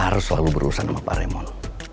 harus selalu berurusan sama pak remon